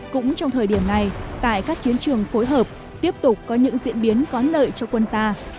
cũng trong thời điểm này tại các chiến trường phối hợp tiếp tục có những diễn biến có lợi cho quân ta